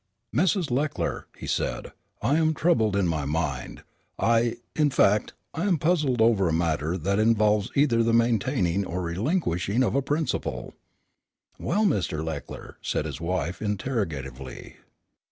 "Mrs. Leckler," he said, "I am troubled in my mind. I in fact, I am puzzled over a matter that involves either the maintaining or relinquishing of a principle." "Well, Mr. Leckler?" said his wife, interrogatively.